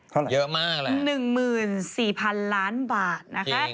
เท่าไหร่เยอะมากแหละหนึ่งหมื่นสี่พันล้านบาทนะคะ